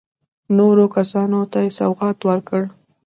نورو کسانو ته سوغات ورکړ.